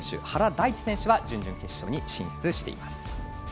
原大智選手は準々決勝に進出しています。